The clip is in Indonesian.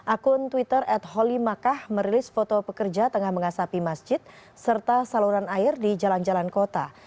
akun twitter at holi makkah merilis foto pekerja tengah mengasapi masjid serta saluran air di jalan jalan kota